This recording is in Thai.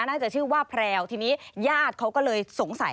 น่าจะชื่อว่าแพรวทีนี้ญาติเขาก็เลยสงสัย